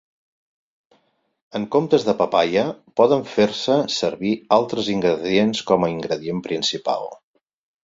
En comptes de papaia poden fer-se servir altres ingredients com a ingredient principal.